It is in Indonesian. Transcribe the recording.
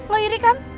lo iri kan